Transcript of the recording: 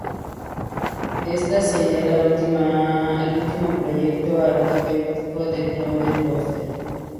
Esta sería el último proyecto arquitectónico de Clotilde Brewster.